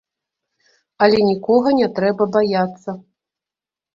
Але нікога не трэба баяцца.